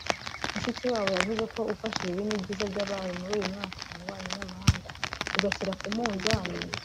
Mushikiwabo yavuze ko ufashe ibibi n’ibyiza byabaye muri uyu mwaka mu bubanyi n’amahanga ugashyira ku munzani